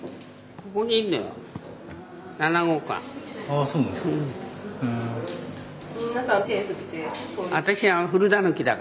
あそうなんですか。